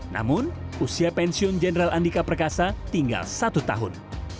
namun usia pensiun jenderal andika perkasa tinggal satu tahun